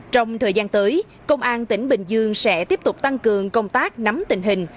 trong thời gian tới công an tỉnh bình dương sẽ tiếp tục tăng cường công tác nắm tình hình